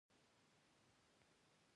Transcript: زه د ښه ملګري معیار لرم.